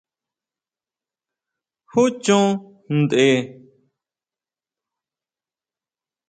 ¿Jú chon ntʼe?